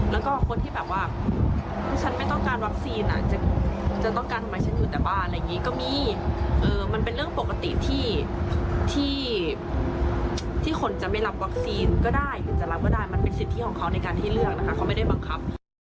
แล้วก็คนที่แบบว่าฉันไม่ต้องการวัคซีนจะต้องการทำไมฉันอยู่แต่บ้านอะไรอย่างนี้ก็มีมันเป็นเรื่องปกติที่คนจะไม่รับวัคซีนก็ได้หรือจะรับก็ได้มันเป็นสิทธิของเขาในการที่เลือกนะคะเขาไม่ได้บังคับ